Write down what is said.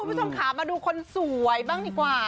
คุณผู้ชมค่ะมาดูคนสวยบ้างดีกว่า